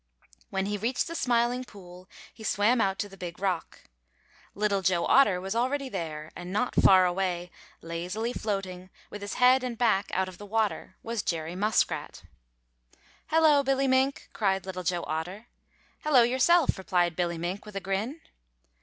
When he reached the Smiling Pool he swam out to the Big Rock. Little Joe Otter was already there, and not far away, lazily floating, with his head and back out of water, was Jerry Muskrat. "Hello, Billy Mink," cried Little Joe Otter. "Hello yourself," replied Billy Mink, with a grin.